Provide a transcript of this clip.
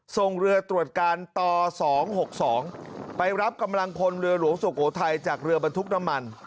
ส่งเรือตรวจการต่อ๒๖๒ไปรับกำลังพลเรือหลวงสุโขทัยจากเรือบรรทุกน้ำมัน